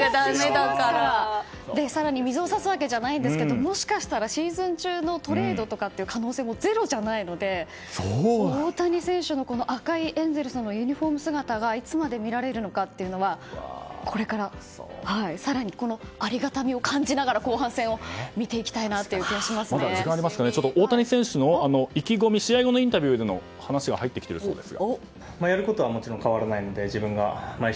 更に水を差すわけじゃないですけどもしかしたらシーズン中のトレードとかっていう可能性もゼロじゃないので大谷選手の赤いエンゼルスのユニホーム姿がいつまで見られるのかというのはこれから、更にありがたみを感じながら大谷選手の試合後のインタビューが入ってきているそうです。